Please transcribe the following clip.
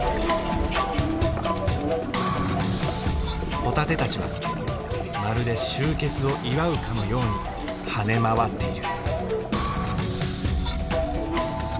ホタテたちはまるで集結を祝うかのように跳ね回っている。